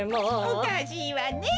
おかしいわね